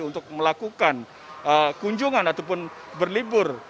untuk melakukan kunjungan ataupun berlibur